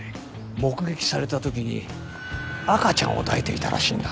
目撃された時に赤ちゃんを抱いていたらしいんだ。